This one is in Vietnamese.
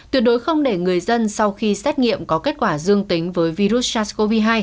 tuyệt đối không để người dân sau khi xét nghiệm có kết quả dương tính với virus sars cov hai